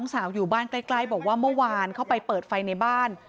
มาเกินไปที่สุดใบเต๋นไม้ชาวบ้าน